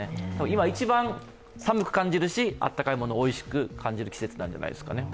今一番、寒く感じるし、温かいものをおいしく感じる季節なんじゃないですかね。